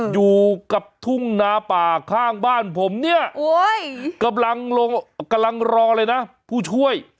อยู่กับทุ่งนาป่าข้างบ้านผมเนี่ยกำลังรอเลยนะผู้ช่วย